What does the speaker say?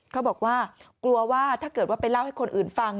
เขาบอกว่ากลัวว่าถ้าเกิดว่าไปเล่าให้คนอื่นฟัง